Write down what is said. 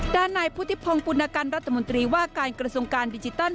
ด้านนายพุทธิพงศ์ปุณกันรัฐมนตรีว่าการกระทรวงการดิจิตอล